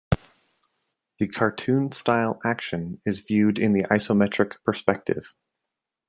The cartoon-style action is viewed in the isometric perspective.